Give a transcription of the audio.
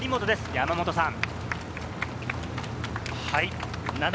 山本さん。